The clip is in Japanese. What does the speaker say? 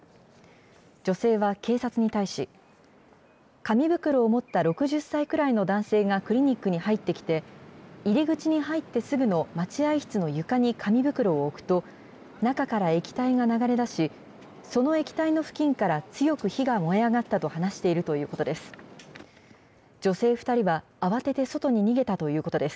女性は警察に対し、紙袋を持った６０歳くらいの男性がクリニックに入ってきて、入り口に入ってすぐの待合室の床に紙袋を置くと、中から液体が流れ出し、その液体の付近から強く火が燃え上がったと話しているということです。